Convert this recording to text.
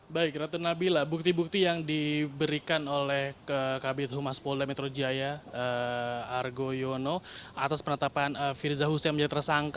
baik ratu nabila bukti bukti yang diberikan oleh kabit humas polda metro jaya argo yono atas penetapan firza hussein menjadi tersangka